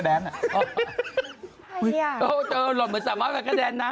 ศัลผงมากับแซน